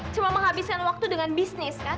cuma menghabiskan waktu dengan bisnis kan